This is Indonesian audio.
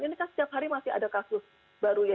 ini kan setiap hari masih ada kasus baru ya